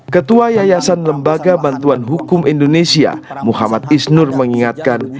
ketua yayasan lembaga bantuan hukum indonesia muhammad isnur mengingatkan